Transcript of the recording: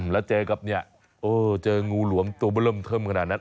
แล้วเจอกับเนี่ยเจองูหลวมตัวเบอร์เริ่มเทิมขนาดนั้น